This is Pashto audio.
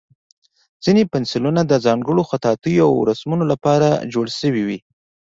ځینې پنسلونه د ځانګړو خطاطیو او رسمونو لپاره جوړ شوي وي.